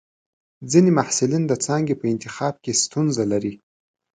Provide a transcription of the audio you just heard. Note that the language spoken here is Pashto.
ځینې محصلین د څانګې په انتخاب کې ستونزه لري.